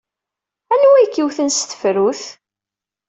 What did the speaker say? Anwa ay k-iwten s tefrut?